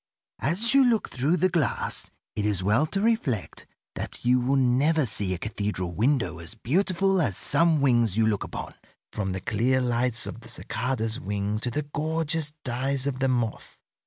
As you look through the glass it is well to reflect that you will never see a cathedral window as beautiful as some wings you look upon, from the clear lights of the cicada's wing to the gorgeous dyes of the moth.